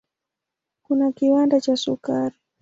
Kuna kiwanda cha sukari.